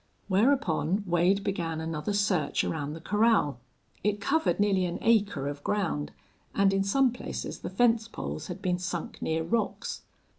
Whereupon Wade began another search around the corral. It covered nearly an acre of ground, and in some places the fence poles had been sunk near rocks.